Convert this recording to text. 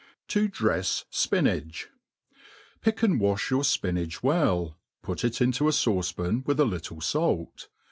To drefs Spinach. PICK and wa(h your fpinach well, put it into a fauce»pan, with a little fait.